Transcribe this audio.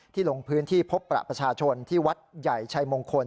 ลงพื้นที่พบประประชาชนที่วัดใหญ่ชัยมงคล